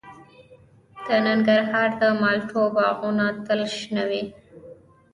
د ننګرهار د مالټو باغونه تل شنه وي.